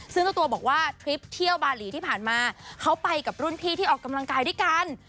ซึ่งเจ้าตัวบอกว่าทริปเที่ยวบาหลีที่ผ่านมาเขาไปกับรุ่นพี่ที่ออกกำลังกายด้วยกัน